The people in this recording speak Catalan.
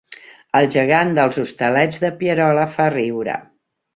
El gegant dels Hostalets de Pierola fa riure